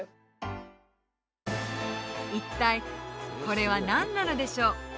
一体これは何なのでしょう？